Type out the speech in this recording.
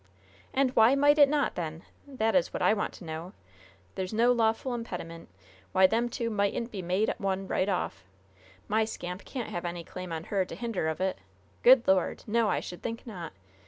"And why might it not, then? That is what I want to know. There's no lawful impediment why them two mightn't be made one right off! My scamp can't have any claim on her to hinder of it! Good Lord! No! I should think not!